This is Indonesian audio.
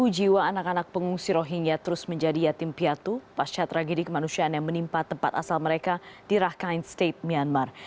lima puluh jiwa anak anak pengungsi rohingya terus menjadi yatim piatu pasca tragedi kemanusiaan yang menimpa tempat asal mereka di rakhine state myanmar